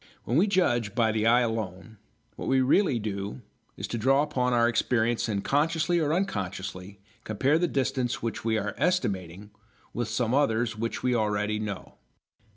When we judge by the eye alone, what we really do is to draw upon our experience and consciously or unconsciously compare the distance which we are estimating with some others which we already know.